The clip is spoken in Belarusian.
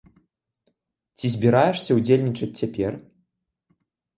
Ці збіраешся ўдзельнічаць цяпер?